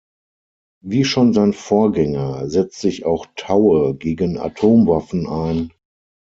Wie schon sein Vorgänger setzt sich auch Taue gegen Atomwaffen ein.